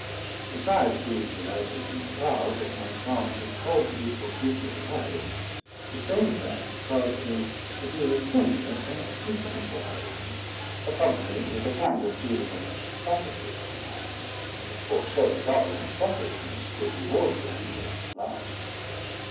Besides being delighted and proud that my songs had called the beautiful creature to life, the same fact caused me to feel a tenderness unspeakable for her, accompanied with a kind of feeling of property in her; for so the goblin Selfishness would reward the angel Love.